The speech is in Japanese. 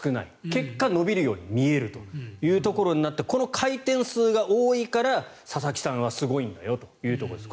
結果、伸びるように見えるというところになってこの回転数が多いから佐々木さんはすごいんだよというところです。